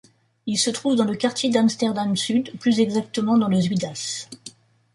Il se trouve dans le quartier d'Amsterdam-Sud, plus exactement dans le Zuidas.